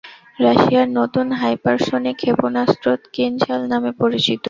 রাশিয়ার নতুন হাইপারসনিক ক্ষেপণাস্ত্র কিনঝাল নামে পরিচিত।